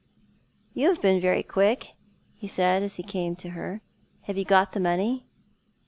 "You have been very quick," ho said as he came to her. " Have you got the money